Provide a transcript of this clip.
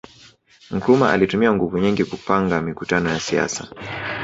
Nkrumah alitumia nguvu nyingi kupanga mikutano ya siasa